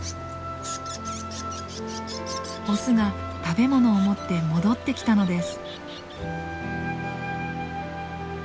オスが食べ物を持って戻ってきたのです。